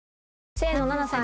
清野菜名さん